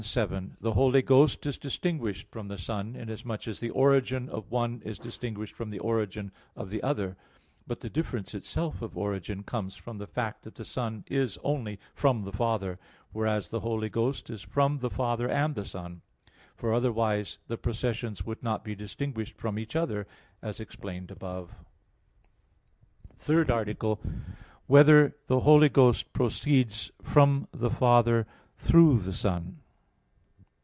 7: The Holy Ghost is distinguished from the Son, inasmuch as the origin of one is distinguished from the origin of the other; but the difference itself of origin comes from the fact that the Son is only from the Father, whereas the Holy Ghost is from the Father and the Son; for otherwise the processions would not be distinguished from each other, as explained above, and in Q. 27. _______________________ THIRD ARTICLE [I, Q. 36, Art. 3] Whether the Holy Ghost Proceeds from the Father Through the Son?